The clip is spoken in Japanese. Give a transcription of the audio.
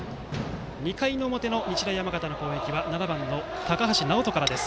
２回の表の日大山形の攻撃は７番の高橋直叶からです。